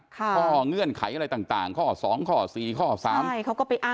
ข้อเงื่อนไขอะไรต่างข้อสองข้อสี่ข้อสามใช่เขาก็ไปอ้าง